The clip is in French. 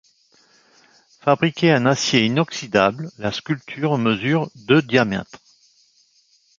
Fabriquée en acier inoxydable, la sculpture mesure de diamètre.